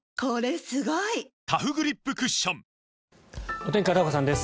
お天気、片岡さんです。